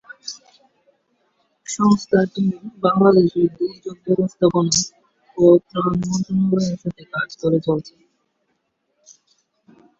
সংস্থাটির বাংলাদেশের দুর্যোগ ব্যবস্থাপনা ও ত্রাণ মন্ত্রণালয়ের সাথে কাজ করে চলেছে।